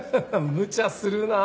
むちゃするなあ